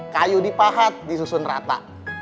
kayu dipahat disusun rata